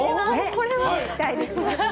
これは期待できますね。